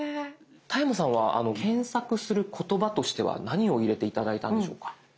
田山さんは検索する言葉としては何を入れて頂いたんでしょうか？